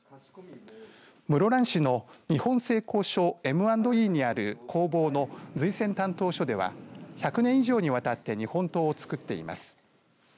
室蘭市の日本製鋼所Ｍ＆Ｅにある工房の瑞泉鍛刀所では１００年以上にわたって日本刀を作っています。